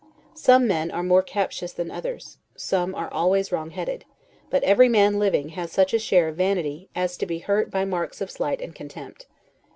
Some men are more captious than others; some are always wrongheaded; but every man living has such a share of vanity, as to be hurt by marks of slight and contempt.